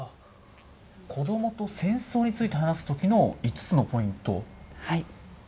子どもと戦争について話すときの５つのポイント。